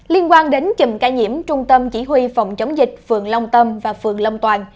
liên quan đến chùm ca nhiễm trung tâm chỉ huy phòng chống dịch phường long tâm và phường long toàn